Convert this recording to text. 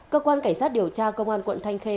cơ quan cảnh sát điều tra công an quận thanh khê